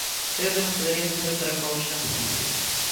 Creo que non podería facer outra cousa.